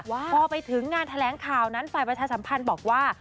พอไปถึงงานแถลงข่าวนั้นฝ่ายประชาสัมพันธ์บอกว่า